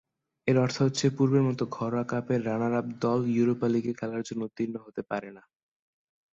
এর অর্থ হচ্ছে পূর্বের মতো ঘরোয়া কাপের রানার-আপ দল ইউরোপা লীগে খেলার জন্য উত্তীর্ণ হতে পারে না।